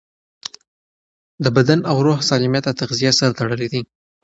د بدن او روح سالمیت د تغذیې سره تړلی دی.